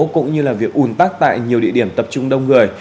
cũng như là việc ủn tắc tại nhiều địa điểm tập trung đông người